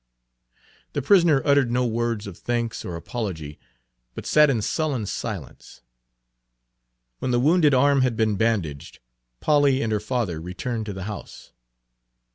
The prisoner uttered no word of thanks or apology, but sat in sullen silence. When the wounded arm had been bandaged, Polly and her father returned to the house.